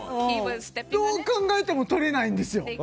どう考えても取れないんですよ。